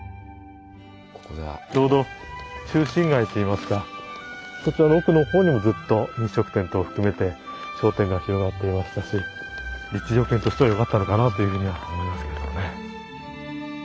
ちょうど中心街といいますかこちらの奥の方にもずっと飲食店等含めて商店が広がっていましたし立地条件としてはよかったのかなというふうに思いますけどね。